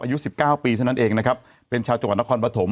อายุสิบเก้าปีเท่านั้นเองนะครับเป็นชาวจังหวัดนครปฐม